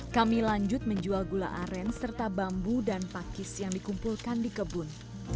kami lanjut menjual gula aren serta bambu dan pakis yang dikumpulkan di kebun